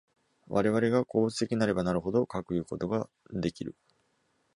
我々が個物的なればなるほど、かくいうことができる。